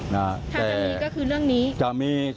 ถ้าอย่างนี้ก็คือเรื่องนี้แต่จะมี